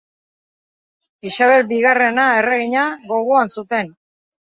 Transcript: Isabel bigarrena erregina gogoan zuten.